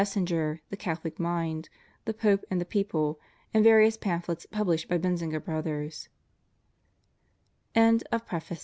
senger, The Catholic Mind, "The Pope and the People," and various pamphlets pubhshed by Benziger Brother